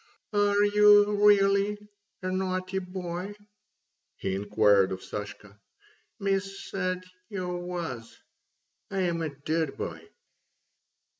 "Are "oo weally a naughty boy?" he inquired of Sashka. "Miss said "oo was. I'm a dood boy."